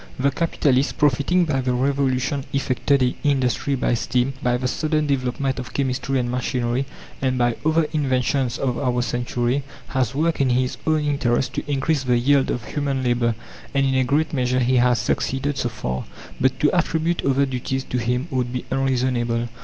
The capitalist, profiting by the revolution effected in industry by steam, by the sudden development of chemistry and machinery, and by other inventions of our century, has worked in his own interest to increase the yield of human labour, and in a great measure he has succeeded so far. But to attribute other duties to him would be unreasonable.